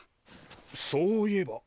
そういえば！